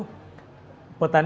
jadi ini adalah yang kita lakukan